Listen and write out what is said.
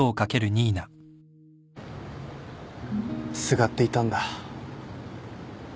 すがっていたんだ。